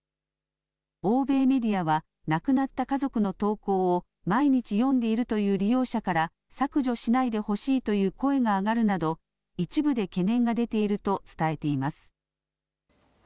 欧米メディアは亡くなった家族の投稿を毎日、読んでいるという利用者から削除しないでほしいという声が上がるなど一部で懸念が出ていると伝えています。